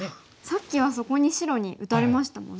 さっきはそこに白に打たれましたもんね。